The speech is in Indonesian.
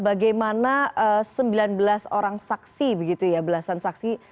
bagaimana sembilan belas orang saksi begitu ya belasan saksi